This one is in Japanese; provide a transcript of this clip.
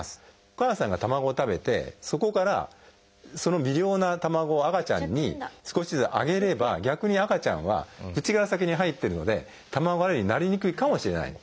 お母さんが卵を食べてそこからその微量な卵を赤ちゃんに少しずつあげれば逆に赤ちゃんは口から先に入ってるので卵アレルギーになりにくいかもしれない。